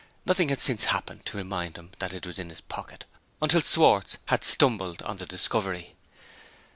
Nothing had since happened to remind him that it was in his pocket, until Schwartz had stumbled on the discovery.